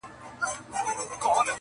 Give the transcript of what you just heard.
فرنګ په خپلو وینو کي رنګ وو -